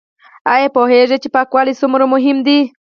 ایا پوهیږئ چې پاکوالی څومره مهم دی؟